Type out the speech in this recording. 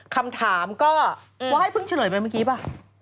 คำถามก็ว่าให้เพิ่งเฉลยไปเมื่อกี้ป่ะ